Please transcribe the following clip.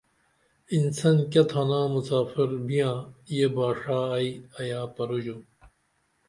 انسان کیہ تھانا مُسافر بیاں یہ باڜا ائی ایا پروژوم